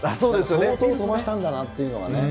相当飛ばしたんだなというのがね。